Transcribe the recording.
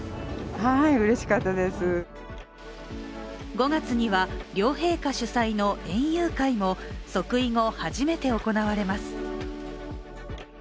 ５月には両陛下主催の園遊会も即位後、初めて行われます。